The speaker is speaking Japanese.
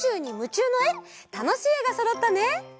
たのしいえがそろったね！